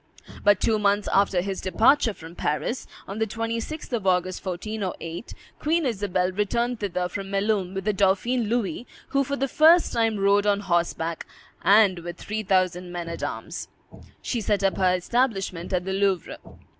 But two months after his departure from Paris, on the 26th of August, 1408, Queen Isabel returned thither from Melun, with the dauphin Louis, who for the first time rode on horseback, and with three thousand men at arms. She set up her establishment at the Louvre.